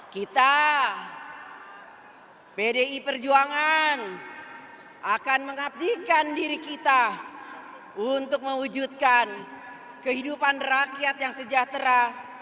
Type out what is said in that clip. kita pdi perjuangan akan mengabdikan diri kita untuk mewujudkan kehidupan rakyat yang sejahtera